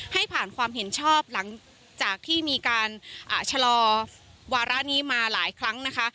ให้ผ่านความเห็นชอบหลังจากที่มีการชะลอวาระนี้มาหลายครั้งนะคะ